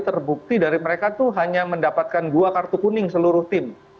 terbukti dari mereka itu hanya mendapatkan dua kartu kuning seluruh tim